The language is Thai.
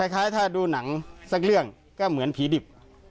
คล้ายถ้าดูหนังสักเรื่องก็เหมือนผีดิบ